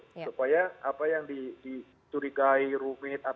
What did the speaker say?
supaya apa yang dicurigai rumit